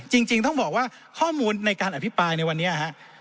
จริงต้องบอกว่าข้อมูลในการอภิปรายในวันนี้ครับ